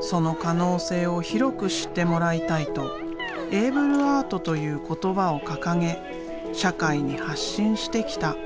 その可能性を広く知ってもらいたいとエイブル・アートという言葉を掲げ社会に発信してきた。